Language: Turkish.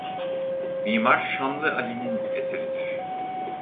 Mimar Şamlı Ali'nin eseridir.